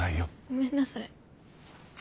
ごめんなさい。